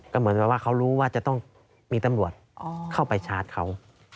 ก็เหมือนกับว่าเขารู้ว่าจะต้องมีตำรวจเข้าไปชาร์จเขา